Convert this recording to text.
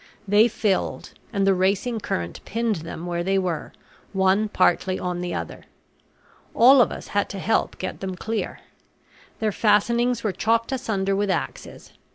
They filled, and the racing current pinned them where they were, one partly on the other. All of us had to help get them clear. Their fastenings were chopped asunder with axes.